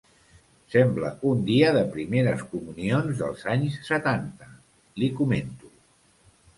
“Sembla un dia de primeres comunions dels anys setanta”, li comento.